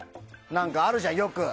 何かあるじゃん、よく。